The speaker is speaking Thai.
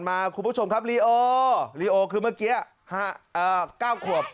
คุณผู้ชมครับลีโอลีโอคือเมื่อกี้๙ขวบ